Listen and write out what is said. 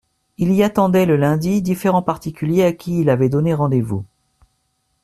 Il y attendait, le lundi, différents particuliers à qui il avait donné rendez-vous.